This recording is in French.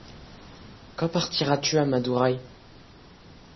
Quand partiras-tu à Madurai ?